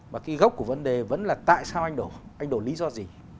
và cái gốc của vấn đề vẫn là tại sao anh đổ anh đổ lý do gì